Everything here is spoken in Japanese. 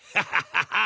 ハハハッ。